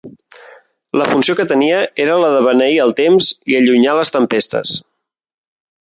La funció que tenia era la de beneir el temps i allunyar les tempestes.